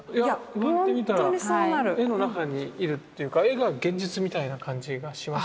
言われてみたら絵の中にいるというか絵が現実みたいな感じがします。